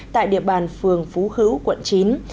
tại địa bàn phường phú hữu quận chín